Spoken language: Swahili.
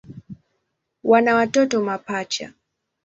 Wana watoto mapacha.